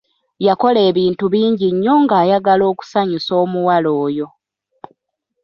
Yakola ebintu bingi nnyo ng'ayagala okusanyusa omuwala oyo.